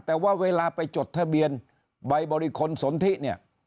แต่ว่าเวลาไปจดทะเบียนใบบริคลสนทิเนี่ย